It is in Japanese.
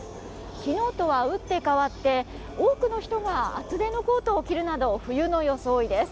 昨日とは打って変わって多くの人が厚手のコートを着るなど冬の装いです。